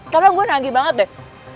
karena gue nagih banget deh